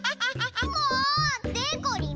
もう！でこりん